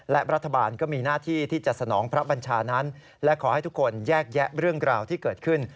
และรัฐบาลก็มีหน้าที่ที่จะสนองพระบัญชานั้นและขอให้ทุกคนแยกแยะเรื่องราวที่เกิดขึ้น